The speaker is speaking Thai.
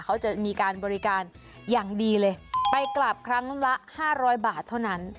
เขาจะมีการบริการอย่างดีเลยไปกลับครั้งละห้าร้อยบาทเท่านั้น